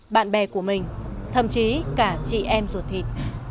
bạn bè của mình thậm chí cả chị em ruột thịt